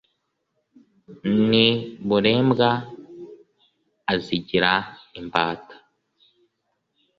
n'i burembwa azigira imbata.